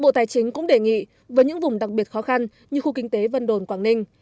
bộ tài chính cũng đề nghị với những vùng đặc biệt khó khăn như khu kinh tế vân đồn quảng ninh